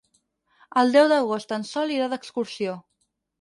El deu d'agost en Sol irà d'excursió.